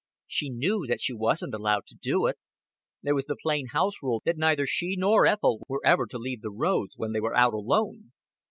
She knew that she wasn't allowed to do it. There was the plain house rule that neither she nor Ethel were ever to leave the roads when they were out alone.